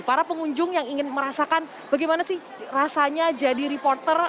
para pengunjung yang ingin merasakan bagaimana sih rasanya jadi reporter